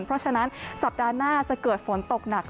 เพราะฉะนั้นสัปดาห์หน้าจะเกิดฝนตกหนัก